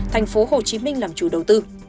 thành phố hồ chí minh làm chủ đầu tư